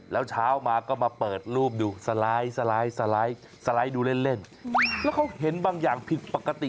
แล้วเช้ามาก็มาเปิดรูปดูสไลด์สไลด์ดูเล่นเล่นแล้วเขาเห็นบางอย่างผิดปกติ